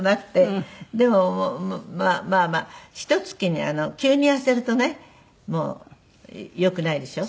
でもまあまあひと月に急に痩せるとねよくないでしょ？